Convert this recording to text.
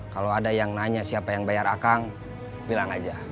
kalau ada yang nanya siapa yang bayar akang bilang aja